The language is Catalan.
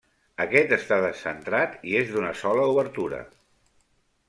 Aquest està descentrat i és d'una sola obertura.